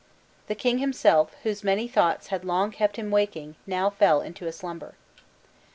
The king himself, whose many thoughts had long kept him waking, now fell into a slumber.